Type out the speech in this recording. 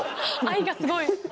愛がすごい。